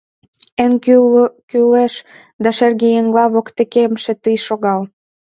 Эн кӱлеш да шерге еҥла Воктекемже тый шогал.